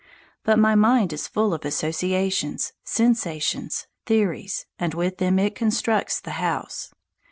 But my mind is full of associations, sensations, theories, and with them it constructs the house.